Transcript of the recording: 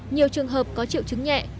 nhiều trường hợp có triệu chứng nhẹ